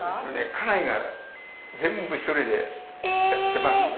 家内が全部１人でやってます。